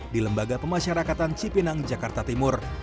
di lembaga pemasyarakatan cipinang jakarta timur